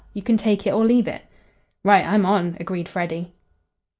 You can take it or leave it." "Right, I'm on," agreed Freddy.